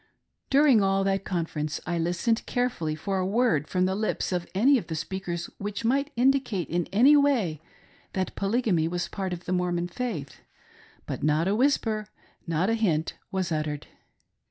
During all that Conference, I listened carefully for a word from the lips of any of the speakers which might indicate in any way that Polygamy was part of the Mormon faith; but not a whisper, not a hint was uttered.